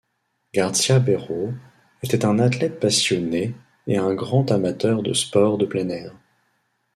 García-Berro était un athlète passionné et un grand amateur de sports de plein air.